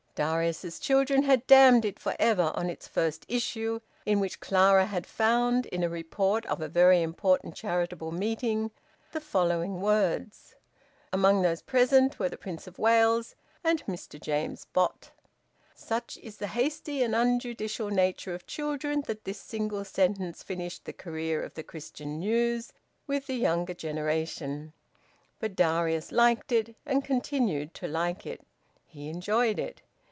Darius's children had damned it for ever on its first issue, in which Clara had found, in a report of a very important charitable meeting, the following words: "Among those present were the Prince of Wales and Mr James Bott." Such is the hasty and unjudicial nature of children that this single sentence finished the career of "The Christian News" with the younger generation. But Darius liked it, and continued to like it. He enjoyed it.